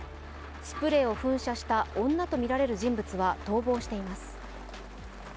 スプレーを噴射した女とみられる人物は逃亡しています。